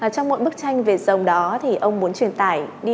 trong mỗi bức tranh về rồng đó thì ông muốn truyền tải đi